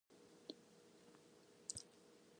Guam athletes participate in competitive spearfishing.